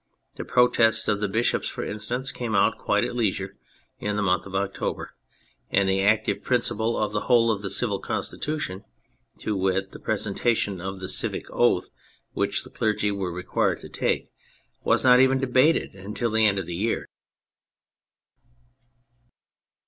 The protests of the bishops, for instance, came out quite at leisure, in the month of October, and the active principle of the whole of the Civil Constitution — to wit, the presentation of the Civic Oath which the clergy were required to take, was not even debated until the end of the year.